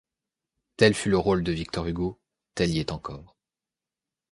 Tel fut le rôle de Victor Hugo, tel il est encore.